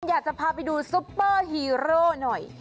อยากจะพาไปดูซุปเปอร์ฮีโร่หน่อย